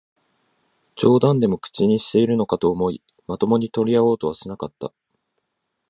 冗談でも口にしているのかと思い、まともに取り合おうとはしなかった